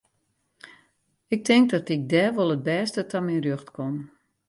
Ik tink dat ik dêr wol it bêste ta myn rjocht kom.